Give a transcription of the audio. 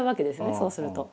そうすると。